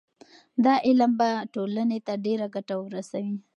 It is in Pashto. دا علم به ټولنې ته ډېره ګټه ورسوي.